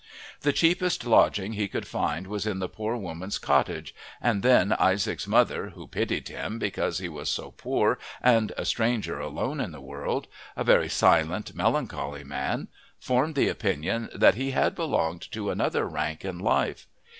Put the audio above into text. The cheapest lodging he could find was in the poor woman's cottage, and then Isaac's mother, who pitied him because he was so poor and a stranger alone in the world, a very silent, melancholy man, formed the opinion that he had belonged to another rank in life.